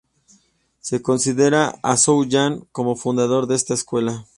Se considera a Zou Yan como fundador de esta escuela.